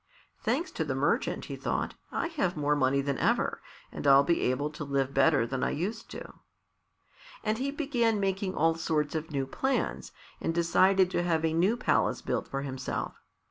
"Thanks to the merchant," he thought, "I have more money than ever, and I'll be able to live better than I used to." And he began making all sorts of new plans, and decided to have a new palace built for himself.